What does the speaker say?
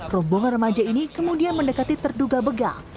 rombongan remaja ini kemudian mendekati terduga begal